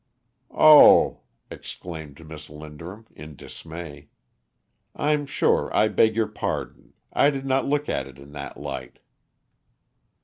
"Oh!" exclaimed Miss Linderham, in dismay. "I'm sure I beg your pardon; I did not look at it in that light."